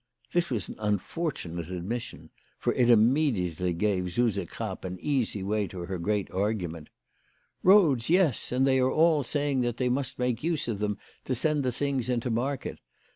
This was an unfortunate admission, for it immediately gave Suse Krapp an easy way to her great argument. " Eoads, yes ! and they are all saying that they must make use of them to send the things into market.